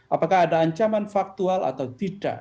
apakah ada ancaman faktual atau tidak